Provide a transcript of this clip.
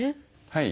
はい。